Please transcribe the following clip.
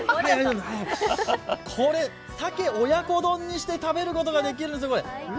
これ、鮭親子丼にして食べることができるんです。